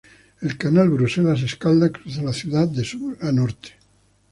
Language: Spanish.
El canal Bruselas-Escalda cruza la ciudad de sur a norte.